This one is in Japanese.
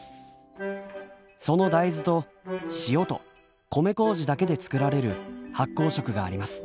その大豆と塩と米麹だけで作られる発酵食があります。